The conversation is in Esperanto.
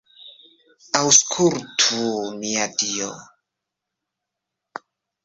Aŭskultu, mia Dio.